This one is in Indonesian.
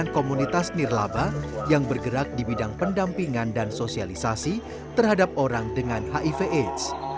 komunitas nirlaba yang bergerak di bidang pendampingan dan sosialisasi terhadap orang dengan hiv aids